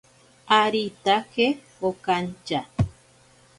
Aritake okantya.